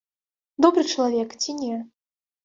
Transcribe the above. Добры чалавек ці не?